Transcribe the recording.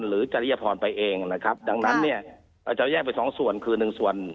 หรือทางทางผู้ว่านราชการจังหวัดเลย